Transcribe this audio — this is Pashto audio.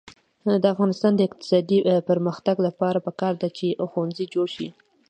د افغانستان د اقتصادي پرمختګ لپاره پکار ده چې ښوونځي جوړ شي.